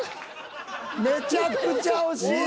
めちゃくちゃ惜しい。